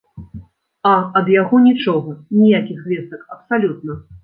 А ад яго нічога, ніякіх звестак абсалютна.